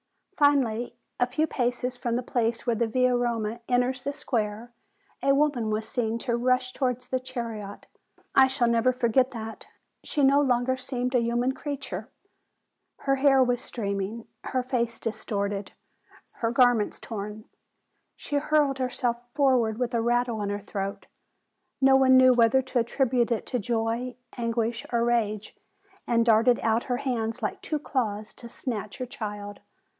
Finally, a few paces from the place where the Via Roma enters the square, a woman was seen to rush towards the chariot. Ah, I shall never forget that! She no longer seemed a human creature : her hair was streaming, her face dis torted, her garments torn. She hurled herself for ward with a rattle in her throat, no one knew whether to attribute it to joy, anguish, or rage, and darted out her hands like two claws to snatch her child.